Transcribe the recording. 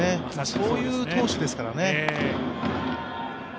そういう投手ですからね。